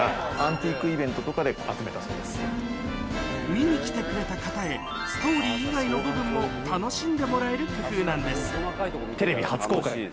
見に来てくれた方へストーリー以外の部分も楽しんでもらえる工夫なんです